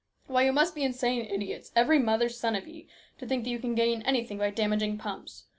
Why, you must be insane idiots, every mother's son of ye, to think you can gain anything by damaging pumps